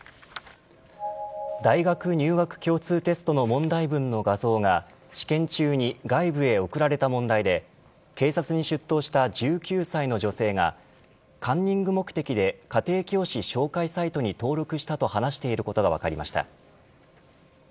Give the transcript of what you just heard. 大学入学共通テストの問題文の画像が試験中に外部へ送られた問題で警察に出頭した１９歳の女性がカンニング目的で家庭教師紹介サイトに登録したと話していることが分かりました。